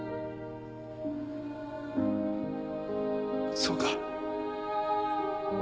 そうか。